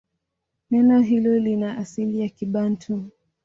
Neno hilo lina asili ya Kibantu.